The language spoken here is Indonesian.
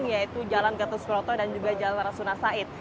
yaitu jalan gatus keroto dan juga jalan rasuna said